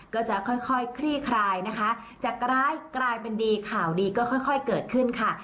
ก็จะค่อยคลี่คลายนะคะจากร้ายกลายเป็นดีข่าวดีก็ค่อยเกิดขึ้นค่ะ